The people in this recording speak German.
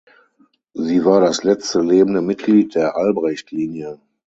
Sie war das letzte lebende Mitglied der Albrecht-Linie.